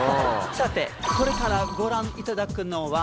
さてこれからご覧いただくのは。